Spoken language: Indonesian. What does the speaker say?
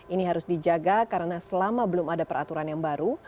ini harus dijaga karena selama belum ada peraturan yang baru